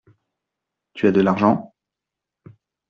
Tu as de l’argent ?